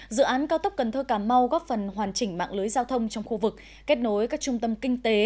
dự án cao tốc cần thơ cà mau góp phần hoàn chỉnh mạng lưới giao thông trong khu vực kết nối các trung tâm kinh tế